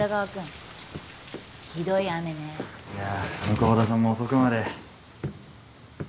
向田さんも遅くまで。